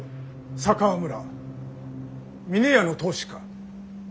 佐川村峰屋の当主か。